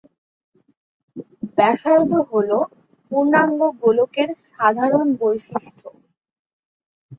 ব্যাসার্ধ হল পূর্ণাঙ্গ গোলকের সাধারণ বৈশিষ্ট।